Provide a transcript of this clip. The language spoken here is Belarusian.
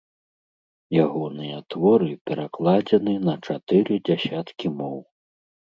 Ягоныя творы перакладзены на чатыры дзясяткі моў.